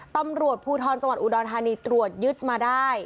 ตำรวจภูทรจังหวัดอุดรธานีตรวจยึดมาได้